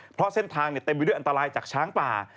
เพราะเส้นทางเต็มไปด้วยอันตรายจากช้างป่า